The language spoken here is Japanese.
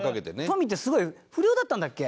トミーってすごい不良だったんだっけ？